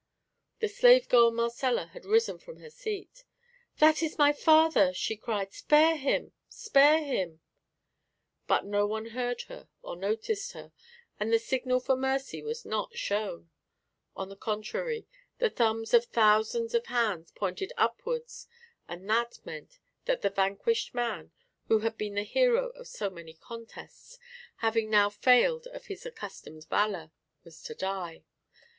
The slave girl Marcella had risen from her seat. "That is my father," she cried; "spare him spare him!" But no one heard her or noticed her, and the signal for mercy was not shown; on the contrary, the thumbs of thousands of hands pointed upwards; and that meant that the vanquished man, who had been the hero of so many contests, having now failed of his accustomed valour, was to die.